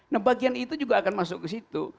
nah bagian itu juga akan masuk ke situ